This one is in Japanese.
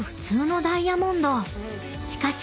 ［しかし］